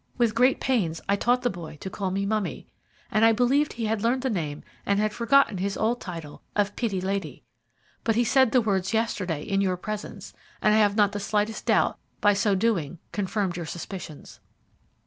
With great pains I taught the boy to call me 'Mummy,' and I believed he had learned the name and had forgotten his old title of 'Pitty lady.' But he said the words yesterday in your presence, and I have not the slightest doubt by so doing confirmed your suspicions.